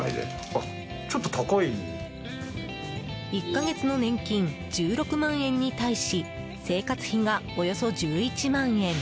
１か月の年金１６万円に対し生活費がおよそ１１万円。